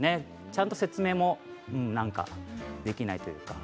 ちゃんと説明もなんかできないというか。